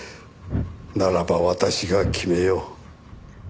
ならば私が決めよう。